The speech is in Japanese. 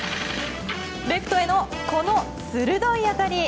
レフトへの、この鋭い当たり。